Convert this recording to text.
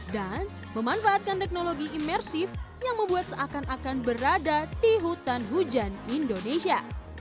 dan memanfaatkan teknologi imersif yang membuat seakan akan berada di hutan hujan indonesia